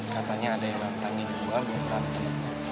katanya ada yang nantangin gue berantem